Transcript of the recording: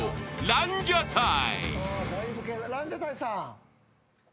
ランジャタイさん？